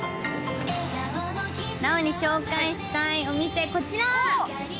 奈央に紹介したいお店こちら！